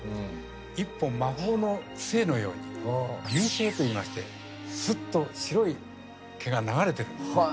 一本魔法の杖のように「流星」といいましてスッと白い毛が流れてるんですね。